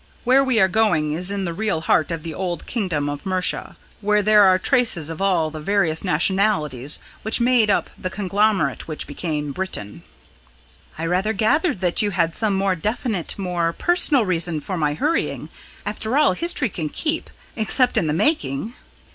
Where we are going is in the real heart of the old kingdom of Mercia, where there are traces of all the various nationalities which made up the conglomerate which became Britain." "I rather gathered that you had some more definite more personal reason for my hurrying. After all, history can keep except in the making!"